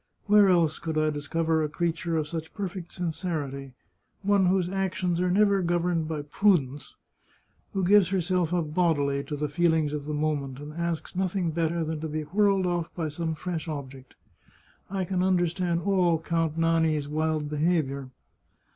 Where else could I discover a creature of such perfect sincerity, one whose actions are never governed by prudence, who gives herself up bodily to the feelings of the moment, and asks nothing better than to be whirled oflf by some fresh object? I can understand all Count Nani's wild behaviour